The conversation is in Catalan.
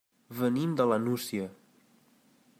Venim de la Nucia.